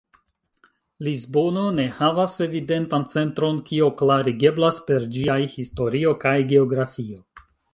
Lisbono ne havas evidentan centron, kio klarigeblas per ĝiaj historio kaj geografio.